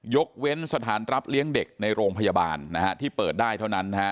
ยกเว้นสถานรับเลี้ยงเด็กในโรงพยาบาลที่เปิดได้เท่านั้น